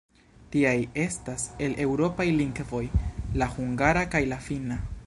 Tiaj estas, el eŭropaj lingvoj, la hungara kaj la finna.